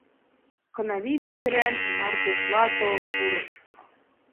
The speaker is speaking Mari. Кынавий пӱтырем мардежла толын пурыш.